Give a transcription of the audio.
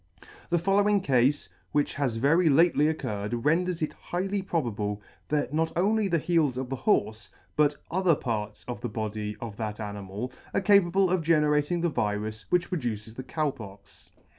The following Cafe, which has very lately occurred, renders it highly probable that not only the heels of the horfe, but other parts of the body of that animal, are capable of generating the virus which produces the Cow Pox..